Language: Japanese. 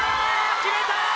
決めたー！